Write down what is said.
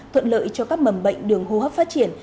thuận lợi cho các mầm bệnh đường hô hấp phát triển